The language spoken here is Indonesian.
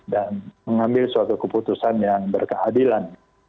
dan mengambil suatu keputusan yang berkeadilan